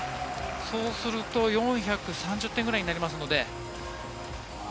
そうすると４３０点ぐらいになりますので。